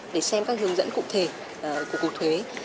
để xem các hướng dẫn cụ thể của cuộc thuế